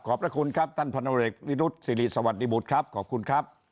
ขอบพระคุณครับตพลวิรุษฎ์สิริสวัสดิบุธครับขอบคุณครับ